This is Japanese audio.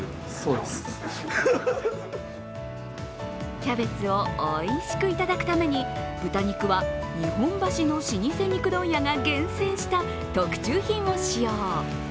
キャベツをおいしくいただくために、豚肉は日本橋の老舗肉問屋が厳選した特注品を使用。